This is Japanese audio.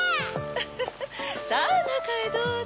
フフフさぁなかへどうぞ。